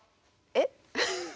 えっ？